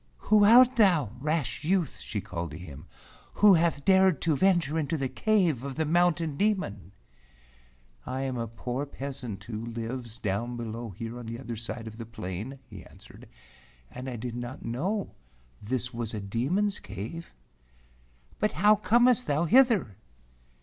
"Who art thou, rash youth ?" she called to him, "who hath dared to venture into the cave of the Mountain Demon ?" "I am a poor peasant who lives down below here on the other side of the plain/' he an¬ swered. "And I did not know this was a Demon's Cave." "But how earnest thou hither?"